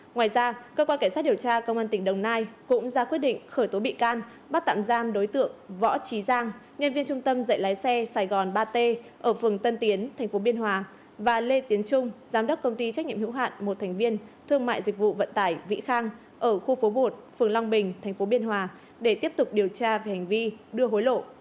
ngoài ra cơ quan cảnh sát điều tra công an tỉnh đồng nai cũng ra quyết định khởi tố bị can bắt tạm giam đối tượng võ trí giang nhân viên trung tâm dạy lái xe sài gòn ba t ở phường tân tiến tp biên hòa và lê tiến trung giám đốc công ty trách nhiệm hữu hạn một thành viên thương mại dịch vụ vận tải vĩ khang ở khu phố bột phường long bình tp biên hòa để tiếp tục điều tra về hành vi đưa hối lộ